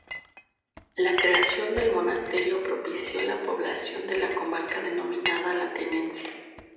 La creación del monasterio propició la población de la comarca denominada la Tenencia.